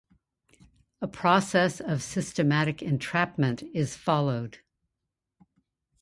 A process of "systematic entrapment" is followed.